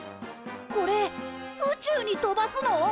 これ宇宙に飛ばすの！？